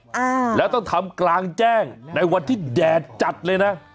อ่าแล้วต้องทำกลางแจ้งในวันที่แดดจัดเลยนะ